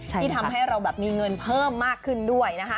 ที่ทำให้เรามีเงินเพิ่มมากขึ้นด้วย